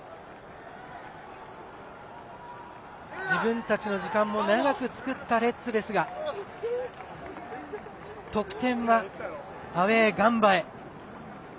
自分たちの時間も長く作ったレッズですが得点はアウエー、ガンバへ。